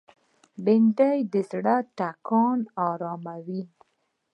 بېنډۍ د زړه ټکانونه آراموي